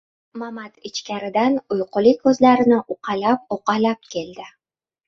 Mamat ichkaridan uyquli ko‘zlarini uqalab-uqalab keldi.